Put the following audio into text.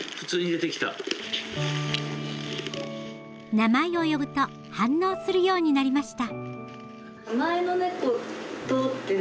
名前を呼ぶと反応するようになりました